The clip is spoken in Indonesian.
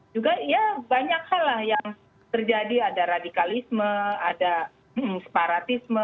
juga ya banyak hal lah yang terjadi ada radikalisme ada separatisme